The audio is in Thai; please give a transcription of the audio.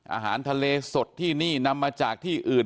อาหารทะเลสดที่นี่นำมาจากที่อื่น